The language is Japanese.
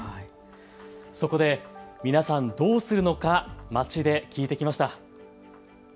そこで皆さんどうするのか街で聞いてきました。